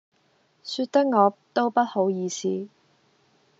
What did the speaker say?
說得我都不好意思